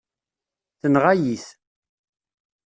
Tenɣa-yi-t.